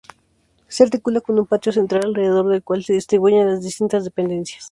Se articula con un patio central, alrededor del cual se distribuyen las distintas dependencias.